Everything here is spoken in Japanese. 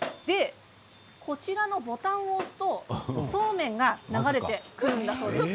こちらのボタンを押すとそうめんが流れてくるんだそうです。